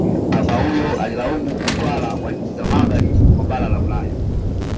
papa huyo alilaumu utwala wa nchi za magharibi mwa bara la ulaya